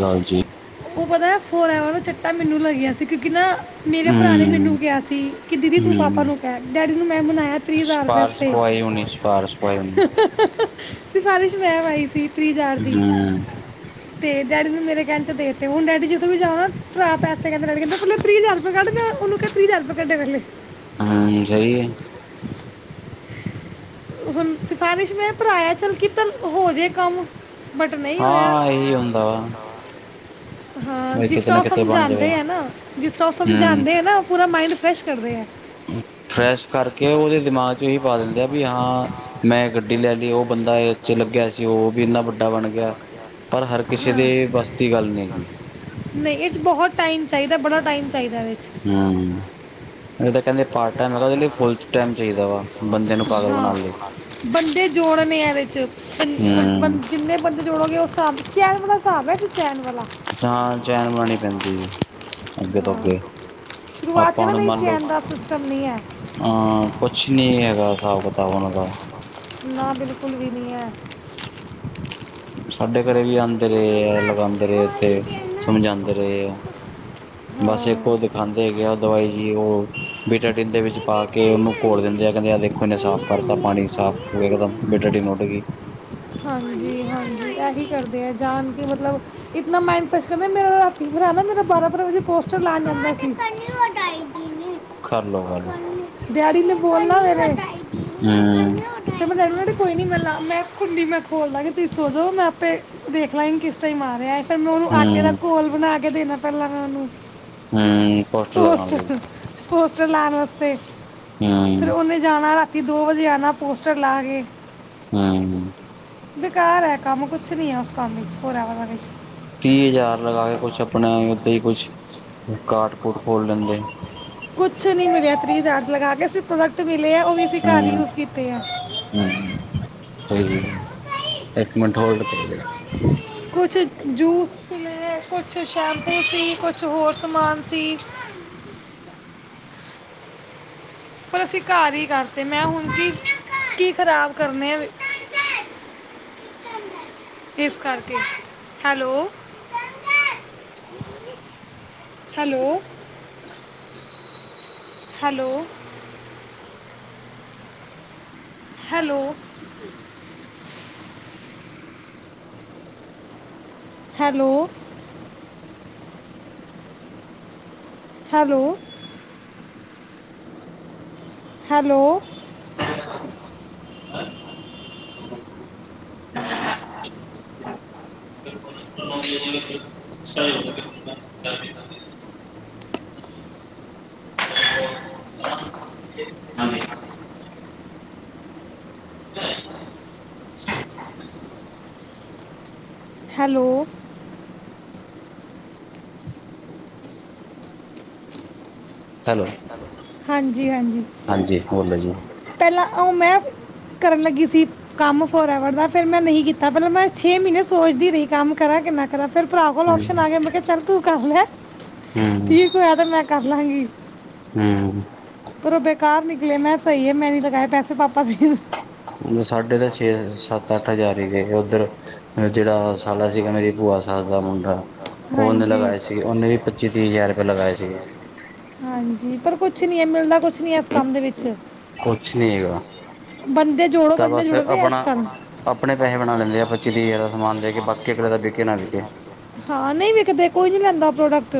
ਗੱਲ ਜੀ ਉਹ ਪਤਾ ਹੈ ਫੋਰ ਐਵਰ ਚਿੱਟਾ ਮੈਨੂੰ ਲੱਗਿਆ ਸੀ ਕਿਉਂਕਿ ਨਾ। ਮੇਰੇ ਭਰਾ ਨੇ ਹੂੰ ਮੈਨੂੰ ਕਿਹਾ ਸੀ ਕਿ ਦੀਦੀ ਤੂੰ ਪਾਪਾ ਹੂੰ ਨੂੰ ਕਹਿ ਡੈਡੀ ਨੂੰ ਮੈਂ ਮਨਾਇਆ ਤੀਹ ਹਜ਼ਾਰ ਸਿਫਾਰਸ਼ ਵਾਸਤੇ ਪਵਾਈ ਹੋਣੀ ਸਿਫਾਰਸ਼ ਪਵਾਈ ਹੋਣੀ ਸਿਫਾਰਿਸ਼ ਮੈਂ ਪਾਈ ਸੀ। ਤੀਹ ਹਜ਼ਾਰ ਦੀ ਹੂੰ ਤੇ ਡੈਡੀ ਨੂੰ ਮੇਰੇ ਕਹਿਣ ਤੇ ਦੇਤੇ ਹੁਣ ਡੈਡੀ ਜਦੋਂ ਵੀ ਜਾਵਾ ਹਾ ਪੈੇਸੇ ਕਹਿੰਦੇ ਰਹਿਣਗੇ ਮੇਰੇ ਕੋਲ ਤੀਹ ਹਜ਼ਾਰ ਕੱਢ ਦਿਆ ਉਹਨੂੰ ਕਿਹ ਤੀਹ ਹਜ਼ਾਰ ਰੁਪਇਆ ਕੱਢੇ ਮੇਰੇ ਲਈ। ਹੂੰ ਸਹੀ ਹੈ। ਹੁਣ ਸਿਫਾਰਸ਼ ਮੈਂ ਭਰਾ ਆ ਚੱਲ ਕੀ ਪਤਾ ਹੋ ਜੇ ਕੰਮ ਬਟ ਨਹੀਂ ਹੋਇਆ ਹਾਂ ਇਹੀ ਹੁੰਦਾ ਵਾ ਹਾਂ ਬਈ ਜਿਸ ਕਿਤੇ ਤਰ੍ਹਾਂ ਨਾ ਉਹ ਕਿਤੇ ਬਣ ਜਾਵੇ ਸਮਝਾਉਦੇ ਆ ਨਾ ਜਿਸ ਤਰ੍ਹਾਂ ਉਹ ਹੂੰ ਸਮਝਾਉਂਦੇ ਆ ਨਾ ਪੂਰਾ ਮਾਈੰਡ ਫਰੈਸ਼ ਕਰਦੇ ਹੈ। ਹੂੰ। ਫਰੈਸ਼ ਕਰਕੇ ਉਹਦੇ ਦਿਮਾਗ ਚ ਇਹੀ ਪਾ ਦਿੰਦੇ ਆ ਵੀ ਹਾਂ ਮੈਂ ਗੱਡੀ ਲੈ ਲਈ ਉਹ ਬੰਦਾ ਇਹ 'ਚ ਲੱਗਿਆ ਸੀ ਉਹ ਵੀ ਇੰਨਾ ਵੱਡਾ ਬਣ ਗਿਆ ਪਰ ਹਰ ਕਿਸੇ ਦੇ ਬਸ ਦੀ ਗੱਲ ਨਹੀ। ਸੀ ਨਹੀਂ ਇਹ 'ਚ ਬਹੁਤ ਟਾਈਮ ਚਾਹੀਦਾ ਬੜਾ ਟਾਈਮ ਚਾਹੀਦਾ ਇਹਦੇ 'ਚ ਹੂੰ ਐ ਤੇ ਕਹਿੰਦੇ। ਪਾਰਟ ਟਾਈਮ ਹੈਗਾ ਉਹਦੇ ਲਈ ਫੁੱਲ ਟਾਈਮ ਚਾਹੀਦਾ ਵਾ ਬੰਦੇ ਨੂੰ ਪਾਗਲ ਹਾਂ ਬਣਾਉਣ ਲਈ ਬੰਦੇ ਜੋੜਨ ਆ ਇਹਦੇ 'ਚ ਹੂੰ ਜਿੰਨੇ ਬੰਦੇ ਜੋੜੋਗੇ ਉਸ ਸਾਭ। ਚੈਨ ਵਾਲਾ ਹਿਸਾਬ ਹੈ ਇਹ ਤਾਂ ਚੈਨ ਵਾਲਾ। ਤਾਂ ਚੈਨ ਬਣਾਉਣੀ ਪੈਂਦੀ ਹੈ ਅੱਗੇ ਤੋਂ ਹਾਂ ਅੱਗੇ ਸ਼ੁਰੂਆਤ ਆਪਾਂ ਕਹਿੰਦਾ ਹੁਣ ਨਹੀਂ ਮੰਨ ਲਓ। ਚੈਨ ਦਾ ਸਿਸਟਮ ਨਹੀਂ ਹੈ ਆਹ ਕੁਛ ਨੀ ਹੈਗਾ ਹਿਸਾਬ ਕਿਤਾਬ ਉਹਨਾਂ ਦਾ। ਨਾ ਬਿਲਕੁਲ ਵੀ ਨਹੀਂ ਹੈ। ਸਾਡੇ ਘਰੇ ਵੀ ਆਉਂਦੇ ਰਹੇ ਆ ਲਗਾਉਂਦੇ ਰਹੇ ਇੱਥੇ ਸਮਝਾਦੇ ਰਹੇ ਆ, ਬਸ ਹਾਂ ਇੱਕੋ ਦਿਖਾਦੇ ਹੈਗੇ ਆ ਦਵਾਈ ਜੀ ਉਹ ਬੀਟਾ ਜਿੱਥੇ ਵਿੱਚ ਪਾ ਕੇ ਉਹਨੂੰ ਘੋਲ ਦਿੰਦੇ ਆ ਕਹਿੰਦੇ ਆ ਦੇਖੋ ਇਹਨੇ ਸਾਫ਼ ਕਰਤਾ ਪਾਣੀ ਸਾਫ਼ ਹੋ ਗਿਆ ਇੱਕਦਮ ਬੀਟਾਡੀਨ ਉੱਡ ਗਈ। ਹਾਂਜੀ ਹਾਂਜੀ ਇਹੀ ਕਰਦੇ ਆ ਜਾਣ ਕੇ ਮਤਲਬ ਇਤਨਾ ਮਾਈਡ ਫਰੈਸ਼ ਕਰਦੇ ਹਾਂ ਮੇਰਾ ਫੀਵਰ ਨਾ ਮੇਰਾ ਭਰਾ ਰਾਤੀ ਬਾਰਾਂ-ਬਾਰਾਂ ਵਜੇ ਪੋਸਟਰ ਲਾਣ ਜਾਂਦਾ ਸੀ। ਕਰ ਲੋ ਗੱਲ ਡੈਡੀ ਨੇ ਬੋਲਣਾ ਵੇ। ਤੇ। ਹੂੰ। ਮੈਂ ਡੈਡੀ ਨੂੰ ਕਹਿੰਦੀ, ਕੋਈ ਨੀ ਮੈਂ ਮੈਂ ਕੁੰਡੀ ਮੈਂ ਖੋਲਦਾਗੀ ਤੁਸੀਂ ਸੋਜੋ ਮੈਂ ਆਪੇ ਦੇਖ ਲਾਂਗੀ ਕਿਸ ਟਾਈਮ ਆ ਰਿਹਾ ਹੈ? ਫਿਰ ਮੈਂ ਉਹਨੂੰ ਆਟੇ ਦਾ ਹੂੰ ਘੋਲ ਬਣਾ ਕੇ ਦੇਣਾ? ਕਰਲਾ ਮੈਂ ਉਹਨੂੰ। ਹੂੰ ਪੋਸਟਰ ਲਗਾਣ ਲਈ। ਘਰ ਵਾਸਤੇ। ਫੇਰ ਹੂੰ ਉਹਨੇ ਜਾਣਾ। ਰਾਤੀ ਦੋ ਵਜੇ ਆਣਾ ਪੋਸਟਰ ਲਾ ਕੇ। ਹੂੰ। ਬੇਕਾਰ ਹੈ, ਕੰਮ ਕੁਛ ਨੀ ਹੈ ਉਸ ਕੰਮ ਵਿੱਚ ਫੋਰ ਐਵਰ ਵਾਲੇ 'ਚ। ਤੀਹ ਹਜ਼ਾਰ ਲਗਾ ਕੇ ਕੁਛ ਆਪਣੇ ਓਦਾਂ ਈ ਕੁੱਛ [unintelligible] ਕੁੱਛ ਨੀ ਮਿਲਿਆ ਤਰੀ ਹਜ਼ਾਰ ਲਗਾ ਕੇ। ਪ੍ਰੋਡਕਟ ਵੇਚ ਹੂੰ-ਹੂੰ ਸਈ ਏ। ਇੱਕ ਮਿੰਟ ਹੋਲਡ ਕਰੋ ਜ਼ਰਾ ਕੁੱਛ ਜੂਸ ਲੈ ਕੁੱ ਛ ਸ਼ੈੈਂਪੂ ਸੀ ਕੁ ਕੁੱਛ ਹੋਰ ਸਮਾਨ ਸੀ। ਪਰ ਅਸੀਂ ਘਰ ਈ ਕਰਤੇ ਮੈਂ ਹੁਣ ਕੀ-ਕੀ ਖ਼ਰਾਬ ਕਰਨੇ ਆ ਇਸ ਕਰਕੇ, hello. Hello. Hello. Hello. Hello. Hello. Hello. [unintelligible] [unintelligible] ਹਾਂਜੀ। [unintelligible] ਹੈਲੋ। ਹੈਲੋ। ਹਾਂਜੀ-ਹਾਂਜੀ, ਹਾਂਜੀ ਬੋਲੋ ਜੀ ਪਹਿਲਾਂ ਓ ਮੈਂ ਕਰਨ ਲੱਗੀ ਸੀ ਕੰਮ ਫੋਰ ਐਵਰ ਦਾ ਫੇਰ ਮੈਂ ਨਹੀਂ ਕੀਤਾ ਪਹਿਲਾਂ ਮੈਂ ਛੇ ਮਹੀਨੇ ਸੋਚਦੀ ਰਈ ਕੰਮ ਕਰਾਂ ਕੇ ਨਾ ਕਰਾਂ। ਫਿਰ ਭਰਾ ਕੋਲ ਹੂੰ ਆਪਸ਼ਨ ਆਗਿਆ, ਮੈਂ ਕਿਆ ਚੱਲ ਤੂੰ ਕਰ ਲੈ। ਠੀਕ ਹੋਇਆ ਤੇ ਮੈਂ ਕਰ ਲਾਂਗੀ। ਹੂੰ। ਕਾਰ ਨਿਕਲੇ ਮੈਂ ਸਈ ਐ ਮੈਂ ਨੀ ਲਗਾਏ ਪੈਸੇ ਪਾਪਾ ਦੇ ਸਾਢੇ ਤਾਂ ਛੇ-ਸੱਤ-ਅੱਠ ਹਜ਼ਾਰ ਹੀ ਉੱਧਰ ਜੇੜਾ ਸਾਲਾ ਸੀਗਾ ਮੇਰੀ ਭੂਆ ਸਸ ਦਾ ਮੁੰਡਾ ਓਨੇ ਹਾਂਜੀ ਲਗਾਏ ਸੀਗੇ, ਓਨੇ ਵੀ ਪੱਚੀ-ਤੀਹ ਹਜ਼ਾਰ ਰੁਪਏ ਲਗਾਏ ਸੀਗੇ। ਜੀ ਪਰ ਕੁੱਛ ਨੀ ਐ ਮਿਲਨਾ ਕੁੱਛ ਨੀ ਏਸ ਕੰਮ ਦੇ ਵਿੱਚ। ਕੁੱਛ ਨੀ ਹੈਗਾ ਬੰਦੇ ਜੋੜੋ ਤਾਂ ਬੰਦੇ ਬਸ ਜੁੜ ਰਹੇ ਅੱਜ ਆਪਣਾ ਕੱਲ੍ਹ ਆਪਣੇ ਪੈਸੇ ਬਣਾ ਲੈਂਦੇ ਆ ਪਚੀ-ਤੀਹ ਹਜਾਰ ਦਾ ਸਮਾਨ ਦੇ ਕੇ ਬਾਕੀ ਅਗਲੇ ਦਾ ਵਿਕੇ ਨਾ ਵਿਕੇ ਹਾਂ ਨਈ ਵਿਕਦੇ ਕੋਈ ਨਹੀਂ ਲੈਂਦਾ ਪ੍ਰੋਡਕਟ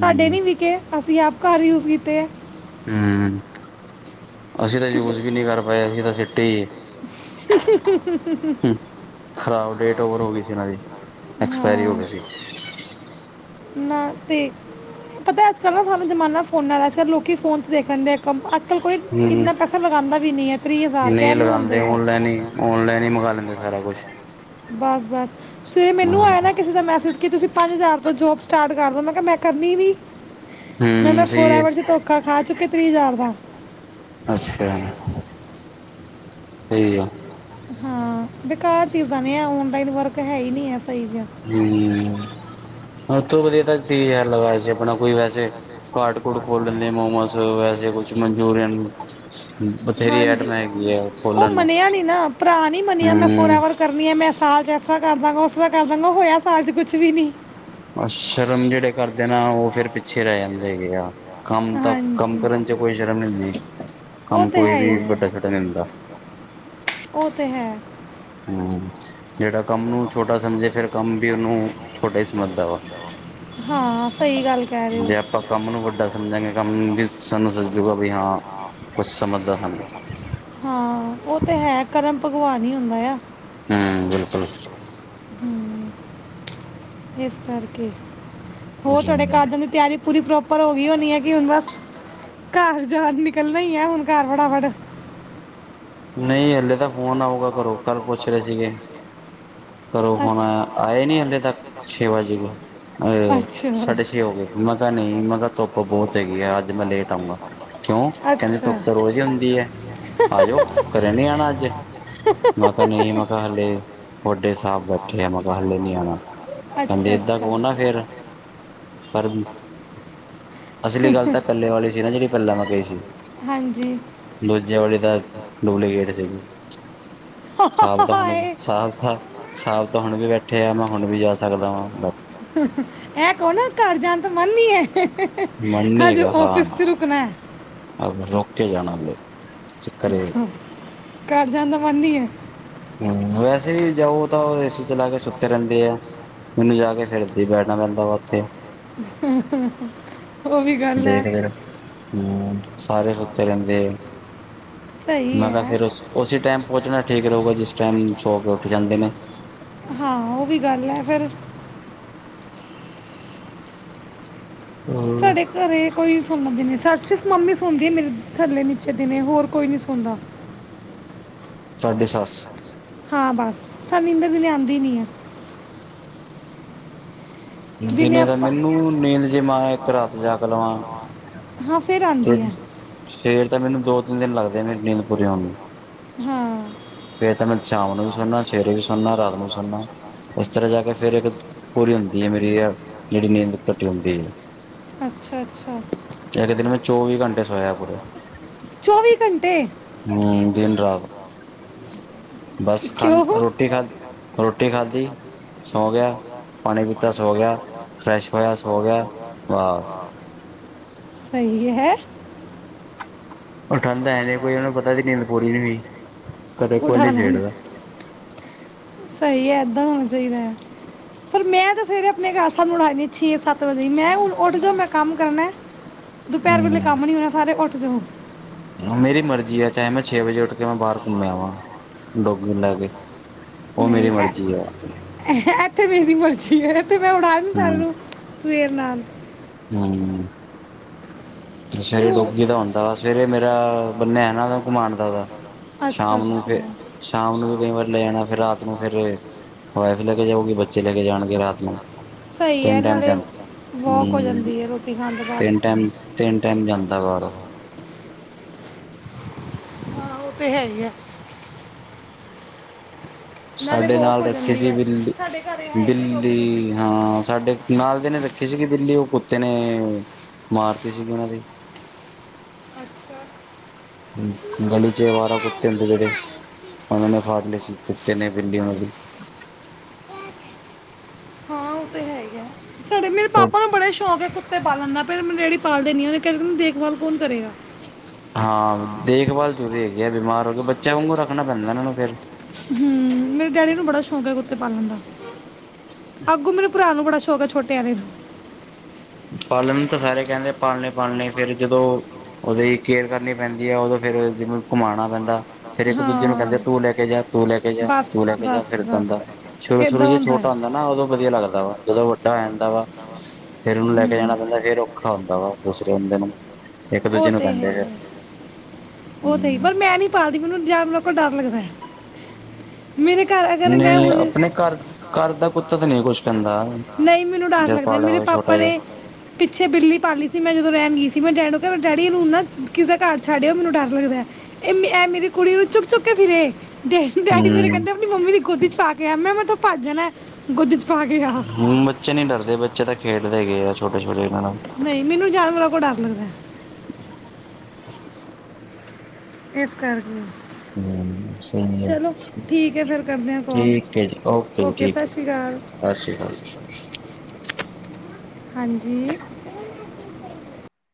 ਸਾਡੇ ਨੀ ਵਿਕੇ ਅਸੀਂ ਆਪ ਘਰ ਯੂਜ ਕੀਤੇ ਐ। ਹੂੰ। ਅਸੀਂ ਤਾਂ ਯੂਜ਼ ਵੀ ਨਹੀਂ ਕਰ ਪਾਏ ਅਸੀਂ ਤਾਂ ਸਿੱਟੀ ਹੀ ਖਰਾਬ, ਡੇਟ ਓਵਰ ਹੋ ਗਈ ਸੀ ਇਹਨਾਂ ਦੀ ਹਾਂ ਐਕਸਪਾਇਰੀ ਹੋ ਗਈ ਸੀ। ਨਾ ਤੇ ਪੱਤਾ ਅੱਜ-ਕੱਲ ਨਾ ਸਾਨੂੰ ਜਮਾਨਾਂ ਫ਼ੋਨਾਂ ਦਾ ਅੱਜ-ਕੱਲ ਲੋਕੀ ਫ਼ੋਨ‌ਂ ਤੇ ਦੇਖ ਕੰਮ ਅੱਜ ਕੱਲ ਕੋਈ ਹੂੰ ਇੰਨਾ ਪੈਸਾ ਲਗਾਉਂਦਾ ਵੀ ਨਹੀਂ ਹੈ ਨਹੀਂ ਕਹਿਣ ਨੂੰ ਲਗਾਉਂਦੇ ਹੁੰਦੇ ਆ ਓਨਲਾਈਨ ਹੀ, ਓਨਲਾਈਨ ਹੀ ਮੰਗਵਾ ਲੈਂਦੇ ਸਾਰਾ ਕੁੱਛ। ਬਸ-ਬਸ। ਫਿਰ ਮੈਨੂੰ ਆਇਆ ਨਾ ਕਿਸੇ ਦਾ ਮੈਸੇਜ ਕਿ ਤੁਸੀਂ ਪੰਜ ਹਜ਼ਾਰ ਤ ਜੋਬ ਸਟਾਰਟ ਕਰਦੋ ਮੈਂ ਕਿਹਾ, ਮੈਂ ਕਰਨੀ ਨਹੀਂ। ਮੈਂ-ਮੈਂ ਹੂੰ ਫੋਰ ਸਹੀ ਹੈ ਐਵਰ ਚ ਧੋਖਾ ਖਾ ਚੁੱਕੀ ਤ੍ਰੀਹ ਹਜ਼ਾਰ ਦਾ। ਅੱਛਾ। ਸਹੀ ਆ। ਹਾਂ, ਬੇਕਾਰ ਚੀਜ਼ਾਂ ਨੇ ਆ ਓਨਲਾਈਨ ਵਰਕ ਹੈ ਹੀ ਨੀ। ਸਹੀ ਜੇਹਾ। ਸਭ ਤੋਂ ਵਧੀਆ ਤਾਂ ਤੀਹ ਹਜ਼ਾਰ ਲਗਾਏ ਸੀ ਆਪਣਾ ਕੋਈ ਵੈਸੇ ਕਾਰਡ ਕੂਡ ਖੋਲ ਲੈਂਦੇ ਮੋਮੋਸ ਵੈਸੇ ਕੁਛ ਮਨਚੂਰੀਅਨ ਬਥੇਰੀ ਹਾਂਜੀ, ਐਟਮ ਹੈਗੀ ਆ ਉਹ ਖੋਲਣ ਨੂੰ ਮੰਨਿਆ ਨੀ ਨਾ, ਭਰਾ ਨੀ ਮੰਨਿਆ ਮੈਂ ਫੋਰ ਐਵਰ ਹੂੰ ਕਰਨੀ ਆ ਮੈਂ। ਸਾਲ ਚ ਇਸ ਤਰ੍ਹਾਂ ਕਰ ਦਾਂਗਾ, ਉਸ ਤਰ੍ਹਾਂ ਕਰਦਾਂਗਾ ਹੋਇਆ ਸਾਲ ਚ ਕੁਛ ਵੀ ਨੀ। ਬਸ ਸ਼ਰਮ ਜਿਹੜੇ ਕਰਦੇ ਨੇ। ਹਾ, ਉਹ ਫੇਰ। ਚਿਰ ਆਂਦੇ ਗਿਆ ਆ। ਕੰਮ ਤਾਂ, ਕੰਮ ਹਾਂਜੀ ਕਰਨ ਚ ਕੋਈ ਸ਼ਰਮ ਨਹੀਂ ਹੁੰਦੀ। ਉਹ ਕੰਮ ਤੇ ਕੋਈ ਹੈ ਹੀ ਵੀ ਹੈ ਵੱਡਾ- ਛੋਡਾ ਨਹੀਂ ਹੁੰਦਾ। ਉਹ, ਤੇ ਹੈ। ਹੂੰ। ਜਿਹੜਾ ਕੰਮ ਨੂੰ ਛੋਟਾ ਸਮਝੇ ਫਿਰ ਕੰਮ ਵੀ ਉਹਨੂੰ ਛੋਟਾ ਹੀ ਸਮਝਦਾ ਵਾ ਹਾਂ, ਸਹੀ ਗੱਲ ਕਹਿ ਰਹੇ ਹੋ। ਜੇ ਆਪਾਂ ਕੰਮ ਨੂੰ ਵੱਡਾ ਸਮਝਾਂਗੇ ਕੰਮ ਵੀ ਸਾਨੂੰ ਸਜੂਗਾ ਵੀ ਹਾਂ ਕੁਛ ਸਮਝਦਾ ਸਾਨੂੰ ਹਾਂ, ਉਹ ਤੇ ਹੈ। ਕਰਮ- ਭਗੱਵਾਨ ਹੀ ਹੁੰਦਾ ਆ। ਹੂੰ ਬਿਲਕੁਲ ਹੂੰ। ਇਸ ਕਰਕੇ। ਹੋਰ ਜੀ ਤੁਹਾਡੇ ਘਰ ਦੀ ਤਿਆਰੀ ਪੂਰੀ- ਪਰ, ਹੋਈ ਹੋਣੀ ਹੈ, ਕਿ ਹੁਣ ਬਸ ਘਰ ਜਾਣ ਨਿਕਲਣਾ ਹੀ ਹੈ, ਆ ਹੁਣ ਘਰ ਫਟਾਫੱਟ। ਨਹੀਂ, ਹੱਲੇ ਤੱਕ- ਘਰੋਂ ਫੋਨ ਆਇਆ ਆਏ ਨੀ ਹਲੇ ਤੱਕ ਛੇ ਵੱਜ ਗਏ ਅ ਅੱਛਾ- ਸਾਢੇ ਛੇ ਹੋ ਗਏ ਮੈਂ ਕਿਹਾ ਨਹੀਂ ਮੈਂ ਕਿਹਾ ਧੁੱਪ ਬਹੁਤ ਹੈਗੀ ਆ ਅੱਜ ਮੈਂ ਲੇਟ ਆਊਂਗਾ ਕਿਉਂ ਕਹਿੰਦੇ ਧੁੱਪ ਤਾਂ ਰੋਜ਼ ਹੀ ਹੁੰਦੀ ਹੈ ਆ ਜਾਓ ਅੱਛਾ। ਘਰੇ ਨੀ ਆਉਣਾ ਅੱਜ। ਮੈਂ ਕਿਹਾ ਨਹੀਂ, ਮੈਂ ਕਿਹਾ ਹਾਲੇ, ਵੱਡੇ ਸਾਹਿਬ ਬੈਠੇ ਆ ।ਮੈਂ ਕਿਹਾ ਹਾਲੇ ਨਹੀਂ ਆਉਣਾ, ਕਹਿੰਦੀ ਅੱਛਾ ਏਦਾਂ ਅੱਛਾ ਕਹੋ ਨਾ ਫੇਰ, ਪਰ ਅਸਲੀ ਗੱਲ ਤਾਂ ਪਹਿਲੇ ਵਾਲੀ ਸੀ ਨਾ ਜਿਹੜੀ ਪਹਿਲਾ ਮੈਂ ਕਹੀ ਸੀ, ਹਾਂਜੀ ਦੂਜੇ ਵਾਲੀ ਤਾਂ- ਡੂਲੇ [unintelligible] ਗਟ ਸੀ ਸਾਬ ਤਾਂ ਹੁਣ ਵੀ, ਹਾਏ ਸਾ ਤਾਂ, ਸਾਬ ਤਾਂ ਹੁਣ ਵੀ ਬੈਠੇ ਆ। ਮੈਂ ਹੁਣ ਵੀ, ਜਾ ਸਕਦਾ ਵਾਂ ਬ ਇਹ ਕੋ ਨਾ ਘਰ ਜਾਣ ਤਾਂ ਮਨ ਨੀ, ਹੈ। ਮੰਨੀੇ ਅੱਜ ਹੇਗਾ, ਹਾਂ। ਆਫਿਸ 'ਚ ਰੁਕਣਾ ਹੈ ਰੁਕ ਕੇ ਜਾਣਾ ਹਲੇ। ਚ ਕਰਰ ਏ ਹੇ। ਘਰ ਜਾਣ ਦਾ ਮਨ ਨੀ ਏ। ਹੂੰ ਵੈਸੇ ਜਾਊ ਤਾਂ, ਉਹ ਏ ਸੀ ਚਲਾ ਕੇ ਸੁੱਤੇ ਰਹਿੰਦੇ ਹੈ। ਮੈਨੂੰ ਜਾ ਕੇ ਫੇਰ, ਇੱਦਾਂ ਹੀ, ਬੈਣਾ ਪੈਂਦਾ ਬ ਹੂੰ, ਹੂੰ-ਹੂੰ। ਦੇਖਦੇ ਰਹੋ। ਹੂੰ, ਸਾਰੇ ਸੁੱਤੇ ਰਹਿੰਦੇ ਆ ਸਹੀ ।ਮੈਂ ਕਿਹਾ ਹੈ ਫੇਰ ਉਸ, ਉਸੇ ਟਾਈਮ ਪਹੁੰਚਣਾ ਠੀਕ ਰਹੂਗਾ, ਜਿਸ ਟਾਈਮ ਸੌ ਕੇ ਉੱਠ ਜਾਂਦੇ ਨੇ। ਨੇ ਹਾਂ ਉਹ ਵੀ ਗੱਲ ਹੈ ਫਿਰ- ਹੂੰ ਸਾਡੇ ਘਰੇ ਕੋਈ ਸੁਣਦੇ ਨੀ। ਸ ਸਿਰਫ਼ ਮੰਮੀ ਸੌਦੀ ਹੈ। ਮੇਰੀ ਥੱਲੇ ਨੀਚੇ ਦਿਨੇ ਹੋਰ ਕੋਈ ਨੀ ਸੁਣਦਾ। ਤੁਹਾਡੀ ਸੱਸ ਹਾਂ ਬਸ। ਸਾਨੂੰ ਏਨੇ ਦਿਨ ਆਂਦੀ ਨੀ ਆ ਦਿਨੇ ਤਾਂ ਮੈਨੂੰ ਨੀਂਦ ਜੇ ਮੈਂ ਇੱਕ ਰਾਤ ਜਾਗ ਲਵਾਂ ਹਾਂ ਫਿਰ ਤੇ ਆਂਦੀ ਹੈ ਫੇਰ ਤਾਂ ਮੈਨੂੰ ਦੋ ਤਿੰਨ ਦਿਨ ਲੱਗਦੇ ਮੇਰੀ ਨੀਂਦ ਹਾਂ ਮੇਰੀ ਜਿਹੜੀ ਨੀਂਦ ਘਟੀ ਹੁੰਦੀ ਹੈ ਅੱਛਾ ਅੱਛਾ ਇੱਕ ਦਿਨ ਮੈਂ ਚੌਵੀ ਘੰਟੇ ਸੋਇਆ ਪੂਰਾ ਘੰਟੇ ਹੂੰ ਦਿਨ ਰਾਤ ਹੂੰ ਬਸ ਖਾਂ ਰੋਟੀ ਖਾ ਰੋ ਰੋਟੀ ਖਾਧੀ ਸੌ ਗਿਆ ਪਾਣੀ ਪੀਤਾ ਸੋ ਗਿਆ ਫਰੈਸ਼ ਹੋਇਆ ਸੋ ਗਿਆ ਬਸ ਸਹੀ ਹੈ ਉਹ ਠੰਡ ਹੈ ਨੇ ਕੋਈ ਉਹਨੂੰ ਪਤਾ ਸੀ ਨੀਂਦ ਪੂਰੀ ਨੀ ਹੋਈ ਕਦੇ ਕੋਈ ਨੀ ਉਡਾਣਾ ਛੇੜਦਾ ਏਦਾਂ ਹੋਣਾ ਚਾਹੀਦਾ ਹੈ ਪਰ ਮੈਂ ਤੇ ਸਵੇਰੇ ਆਪਣੇ ਘਰ ਸਾਨੂੰ ਉਠਾਣੀ ਛੇ ਸੱਤ ਵਜੇ ਮੈਂ ਹੁਣ ਉੱਠ ਜਾ ਮੈਂ ਕੰਮ ਕਰਨਾ ਦੁਪਹਿਰ ਵੇਲੇ ਹੂੰ ਕੰਮ ਨੀ ਹੋਣਾ ਸਾਰੇ ਉੱਠ ਜੋ ਮੇਰੀ ਮਰਜੀ ਆ ਚਾਹੇ ਮੈਂ ਛੇ ਵਜੇ ਉੱਠ ਮੈਂ ਬਾਹਰ ਘੁੰਮਿਆ ਵਾਂ ਡੋਗੀ ਨੂੰ ਲੈ ਕੇ ਉਹ ਮੇਰੀ ਨਹੀਂ ਅ ਮਰਜ਼ੀ ਆ ਐ ਤੇ ਮੇਰੀ ਮਰਜ਼ੀ ਹੈ ਤੇ ਮੈਂ ਉੱਠਾ ਦੀ ਸਾਰਿਆਂ ਨੂੰ ਸਵੇਰ ਨ ਹੂੰ ਅੱਛਾ ਤੇ ਜੇ ਉਹ ਡੋਗੀ ਦਾ ਹੁੰਦਾ ਸਵੇਰੇ ਮੇਰਾ ਬੰਨਿਆ ਹੋਇਆ ਨਾ ਘੁਮਾਉਣ ਦਾ ਉਹਦਾ ਅੱਛਾ ਸ਼ਾਮ ਅੱਛਾ ਨੂੰ ਫਿਰ ਸ਼ਾਮ ਨੂੰ ਵੀ ਕਈ ਵਾਰੀ ਲੈ ਜਾਣਾ ਫਿਰ ਰਾਤ ਨੂੰ ਫਿਰ ਵਾਈਫ ਲੈ ਕੇ ਜਾਓਗੀ ਬੱਚੇ ਲੈ ਕੇ ਜਾਣਗੇ ਰਾਤ ਨੂੰ ਸਹੀ ਹੈ ਤਿੰਨ ਟਾਈਮ ਨਾਲੇ ਜਾਂ ਵਾਕ ਹੋ ਹੂੰ ਜਾਂਦੀ ਹੈ ਰੋਟੀ ਖਾਣ ਤੋਂ ਤਿੰਨ ਬਾਅਦ ਟਾਈਮ ਟਾਈਮ ਜਾਂਦਾ ਬਾਹਰ ਓ ਹਾਂ ਉਹ ਤੇ ਹੈ ਹੀ ਆ। ਸਾਡੇ ਵਾਕ ਨਾਲ ਹੋ ਰੱਖੀ ਜਾਂਦੀ ਸੀ ਹੈ ਬਿੱਲੀ ਸਾਡੇ ਘਰੇ ਹੈ ਹੀ ਨਹੀਂ ਡੋਗੀ ਡੋਗੀ ਬਿੱਲੀ ਹਾਂ ਸਾਡੇ ਨਾਲਦੇ ਨੇ ਰੱਖੀ ਸੀ, ਕਿ ਬਿੱਲੀ ਉਹ ਕੁੱਤੇ ਨੇ ਮਾਰਤੀ ਸੀ ਗੀ ਉਹਨਾਂ ਦੀ ਅੱਛਾ। ਗਲੀ'ਚ ਅਵਾਰਾ ਕੁੱਤੇ ਹੁੰਦੇ ਜਿਹੜੇ, ਉਹਨਾਂ ਨੇ ਫੜ ਲਈਂ ਸੀ, ਕੁੱਤੇ ਨੇ ਬਿੱਲੀ ਉਹਨਾਂ ਦੀ। ਹਾਂ ਉਹ ਤੇ ਹੈਗੇ ਆ। ਸਾਡੇ ਮੇਰੇ ਪਾਪਾ ਨੂੰ ਬੜੇ ਸ਼ੌਕ ਹੈ ਕੁੱਤੇ ਪਾਲਣ ਦਾ ਫਿਰ ਮੇਰੇ ਡੈਡੀ ਪਾਲਦੇ ਨਹੀਂ ਏ, ਉਹਨਾਂ ਕਿਹਾ ਦੇਖਭਾਲ ਕੌਣ ਕਰੇਗਾ। ਹਾਂ ਦੇਖਭਾਲ ਤੁਸੀਂ ਹੈਗੀ ਆ ਬਿਮਾਰ ਹੋਗੇ ਬੱਚਿਆਂ ਵਾਂਗੂ ਰੱਖਣਾ ਪੈਂਦਾ ਇਹਨਾਂ ਨੂੰ ਫ਼ਿਰ ਹੂੰ ਮੇਰੇ ਡੈਡੀ ਨੂੰ ਬੜਾ ਸ਼ੌਕ ਹੈ, ਕੁੱਤੇ ਪਾਲਣ ਦਾ। ਅੱਗੋਂ ਮੈਨੂੰ ਭਰਾ ਨੂੰ ਬੜਾ ਸ਼ੋਂ ਕ ਛੋਟੇ [unintelligible] ਪਾਲਣ ਤਾਂ ਸਾਰੇ ਕਹਿੰਦੇ ਪਾਲਣੇ ਬਣਨੇਂ ਫਿਰ ਜਦੋਂ ਉਹਦੀ ਕੇਅਰ ਕਰਨੀ ਪੈਂਦੀ ਹੈ, ਉਹਦੋਂ ਫੇਰ ਜਿਵੇਂ ਘੁਮਾਣਾ ਪੈਂਦਾ। ਤਾਂ ਫਿਰ ਇੱਕ ਦੂਜੇ ਨੂੰ ਹਾਂ ਕਹਿੰਦੇ ਤੂੰ ਲੈ ਕੇ ਜਾ, ਤੂੰ ਲੈ ਕੇ ਜਾ, ਬਸ ਤੂੰ ਲੈ ਕੇ ਜਾ, ਫਿਰ ਇਦਾਂ ਬਸ ਦਾ ਬਸ ਸ਼ੁਰੂ ਸ਼ੁਰੂ ਇਦਾਂ ਜ ਹੈ ਛੋਟਾ ਹੁੰਦਾ ਨਾ, ਉਦੋਂ ਵਧੀਆ ਲੱਗਦਾ ਵਾ, ਜਦੋਂ ਵੱਡਾ ਹੋ ਜਾਂਦਾ ਵਾ ਲੈ ਕੇ ਹੂੰ ਜਾਣਾ ਪੈਂਦਾ ਫੇਰ ਔਖਾ ਹੁੰਦਾ ਵਾ, ਦੂਸਰੇ ਬੰਦੇ ਨੂੰ, ਇੱਕ ਦੂਜੇ ਉਹ ਨੂੰ ਤੇ ਹੈ ਕਹਿੰਦੇ ਹੀ ਹੈ। ਉਹ ਹਮ। ਤੇ ਹੀ ਪਰ ਮੈਂ ਨਹੀਂ ਪਾਲਦੀ ਮੈਨੂੰ ਜਾਨਵਰਾਂ ਕੋਲੋਂ ਡਰ ਲੱਗਦਾ। ਮੇਰੇ ਘਰ ਅਗਰ ਮੈਂ ਨਹੀਂ ਹੁਣ ਆਪਣੇ ਘਰ ਘਰ ਦਾ ਕੁੱਤਾ ਤਾਂ ਨਹੀਂ ਕੁਛ ਕਹਿੰਦਾ ਨਹੀਂ, ਮੈਨੂੰ ਡਰ ਜਦ ਲੱਗਦਾ ਪਾਲਿਆ ਮੇਰੇ ਹੋਵੇ ਪਾਪਾ ਛੋਟਾ ਨੇ ਜਿਹਾ ਪਿੱਛੇ ਬਿੱਲੀ ਪਾਲੀ ਸੀ। ਮੈਂ ਜਦੋਂ ਰਹਿਣ ਗੀ ਸੀ। ਤੇ ਮੈਂ ਡੈਡ ਨੂੰ ਕਿਹਾ, ਡੈਡੀ ਇਹਨੂੰ ਨਾ ਕਿਸੇ ਘਰ ਛੱਡ ਆਓ। ਮੈਨੂੰ ਡਰ ਲੱਗਦਾ, ਇਹ ਮੇਰੇ ਐ ਮੇਰੀ ਕੁੜੀ ਨੂੰ ਚੁੱਕ ਚੁੱਕ ਕੇ ਫਿਰੇ। ਡੈ ਡੈਡੀ ਮੇਰੇ ਹਮ ਕਹਿੰਦੇ ਆਪਣੀ ਮੰਮੀ ਦੀ ਗੋਦੀ ਚ ਪਾ ਕੇ ਕਿਹਾ ਮੈਂ ਮੈਂ ਇਥੋਂ ਭੱਜ ਜਾਣਾ, ਗੋਦੀ ਚ ਪਾ ਕੇ ਆ ਹਮ ਬੱਚੇ ਨੀ ਡਰਦੇ ਬੱਚੇ ਤਾਂ ਖੇਡ ਪਤਾ ਕੀ ਆ ਛੋਟੇ ਛੋਟੇ ਇਹਨਾਂ ਨਾਲ ਨਹੀਂ ਮੈਨੂੰ ਜਾਨਵਰਾਂ ਕੋਲ ਡਰ ਲੱਗਦਾ। [inaudible] ਇਸ ਕਰਕੇ ਹਮ ਸਹੀ ਆ ਚਲੋ ਠੀਕ ਹੈ ਫਿਰ ਕਰਦੇ ਹਾਂ ਕਾਲ ਠੀਕ ਹੈ ਜੀ, ਓਕੇ ਜੀ ਠੀਕ ਸਤਿ ਸ਼੍ਰੀ ਅਕਾਲ ਹੈ, ਸਤਿ ਸ੍ਰੀ ਅਕਾਲ ਜੀ। ਹਾਂਜੀ।